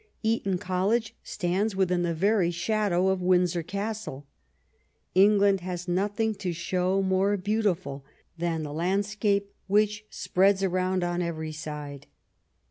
Eton College stands within the very shadow of Windsor Castle. England has nothing to show more beautiful than the landscape which spreads around on every side.